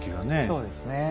そうですね。